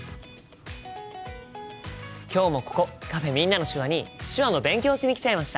今日もここカフェ「みんなの手話」に手話の勉強しに来ちゃいました。